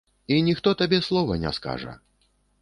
І ніхто табе слова не скажа.